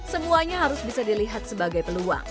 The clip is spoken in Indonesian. semuanya harus bisa dilihat sebagai peluang